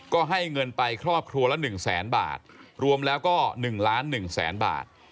ก็ให้เงินไปครอบครัวละ๑แสนบาทรวมแล้วก็๑ล้าน๑แสนบาท